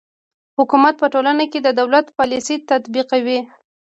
حکومت په ټولنه کې د دولت پالیسي تطبیقوي.